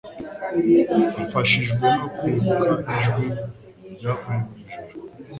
Afashijwe no kwibuka ijwi ryavuye mu ijuru,